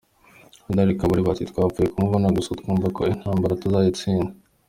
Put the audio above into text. Gen Kabarebe ati “Twapfuye kumubona gusa twumva ko intambara tuzayitsinda.